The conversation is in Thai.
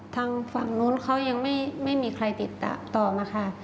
ทางฝั่งนู้นเขายังไม่มีใครติดต่อมาค่ะ